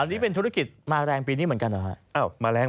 อันนี้เป็นธุรกิจมาแรงปีนี้เหมือนกันเหรอฮะ